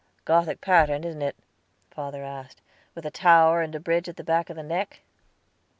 "Gothic pattern, isn't it?" father asked, "with a tower, and a bridge at the back of the neck?"